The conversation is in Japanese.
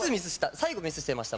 最後ミスしてました？